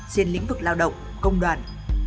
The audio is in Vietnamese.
trên lĩnh vực lao động công đoàn